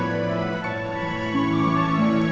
mereka harus pulang sekarang